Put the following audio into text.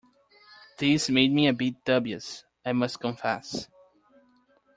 This made me a bit dubious, I must confess.